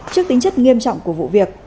trước tính chất nghiêm trọng của vụ việc